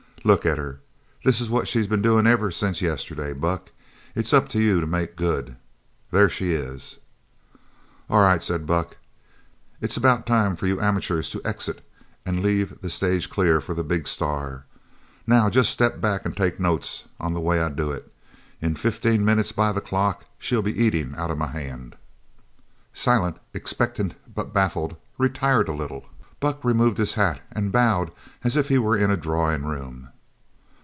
"Look at her! This is what she's been doin' ever since yesterday. Buck, it's up to you to make good. There she is!" "All right," said Buck, "it's about time for you amachoors to exit an' leave the stage clear for the big star. Now jest step back an' take notes on the way I do it. In fifteen minutes by the clock she'll be eatin' out of my hand." Silent, expectant but baffled, retired a little. Buck removed his hat and bowed as if he were in a drawing room.